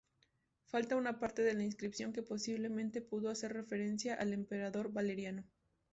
Falta una parte de la inscripción que posiblemente pudo hacer referencia al emperador Valeriano.